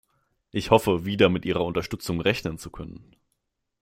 Ich hoffe, wieder mit Ihrer Unterstützung rechnen zu können.